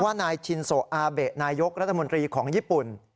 นายชินโซอาเบะนายกรัฐมนตรีของญี่ปุ่น